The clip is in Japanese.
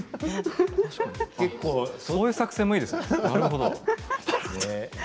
そういう作戦もいいですね